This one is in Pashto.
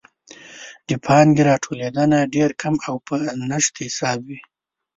د پانګې راټولیدنه ډېر کم او په نشت حساب وي.